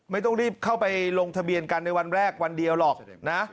ไม่ต้องรีบเข้าไปลงทะเบียนกันในวันแรกวันเดียวหรอกนะ